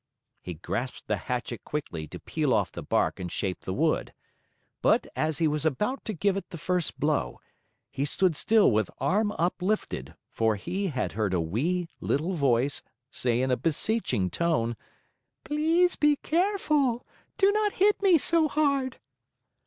He grasped the hatchet quickly to peel off the bark and shape the wood. But as he was about to give it the first blow, he stood still with arm uplifted, for he had heard a wee, little voice say in a beseeching tone: "Please be careful! Do not hit me so hard!"